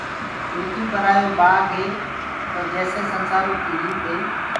ٻيٽيٚ پرآيو بآگ هي تو جيسي اسنسآرو ڪي ريت هي،